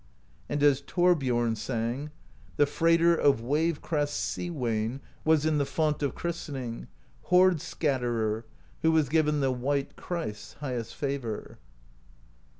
And as Thorbjorn sang: The Freighter of Wave Crests' Sea Wain Was in the font of christening, Hoard Scatterer, who was given The White Christ's highest favor.